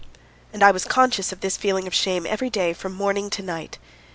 And I was conscious of this feeling of shame every day from morning to night.